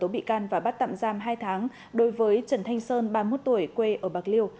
khởi tố bị can và bắt tạm giam hai tháng đối với trần thanh sơn ba mươi một tuổi quê ở bạc liêu